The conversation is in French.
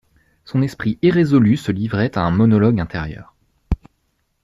Son esprit irrésolu se livrait à un monologue intérieur.